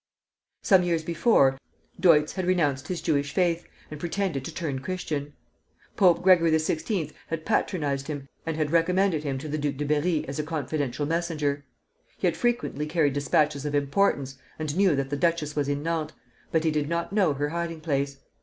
Some years before, Deutz had renounced his Jewish faith and pretended to turn Christian. Pope Gregory XVI. had patronized him, and had recommended him to the Duc de Berri as a confidential messenger. He had frequently carried despatches of importance, and knew that the duchess was in Nantes, but he did not know her hiding place.